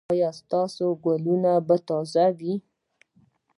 ایا ستاسو ګلونه به تازه وي؟